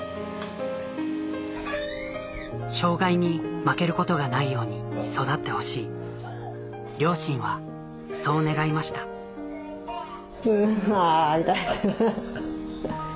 障がいに負けることがないように育ってほしい両親はそう願いましたあ。